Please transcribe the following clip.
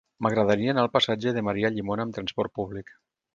M'agradaria anar al passatge de Maria Llimona amb trasport públic.